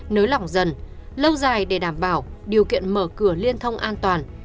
nới lỏng dần lâu dài để đảm bảo điều kiện mở cửa liên thông an toàn